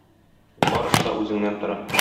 Барысы да үзеңнән тора.